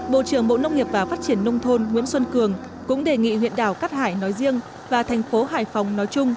bộ trưởng bộ nông nghiệp và phát triển nông thôn nguyễn xuân cường cũng đề nghị huyện đảo cát hải nói riêng